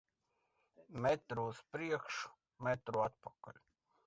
Metru uz priekšu, metru atpakaļ.